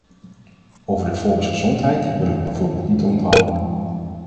Over de volksgezondheid willen we bijvoorbeeld niet onderhandelen.